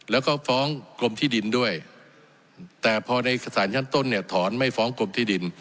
แล้วก็ฟ้องกรมที่ดินด้วยแต่พอในสารชั้นต้นเนี่ยถอนไม่ฟ้องกรมที่ดิน